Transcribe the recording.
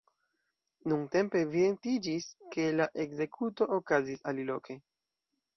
Nuntempe evidentiĝis, ke la ekzekuto okazis aliloke.